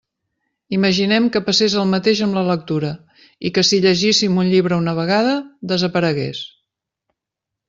Imaginem que passés el mateix amb la lectura, i que si llegíssim un llibre una vegada, desaparegués.